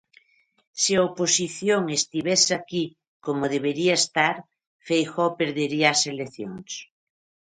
Se a oposición estivese aquí como debería estar, Feijóo perdería as eleccións.